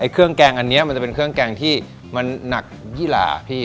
เครื่องแกงอันนี้มันจะเป็นเครื่องแกงที่มันหนักยี่หล่าพี่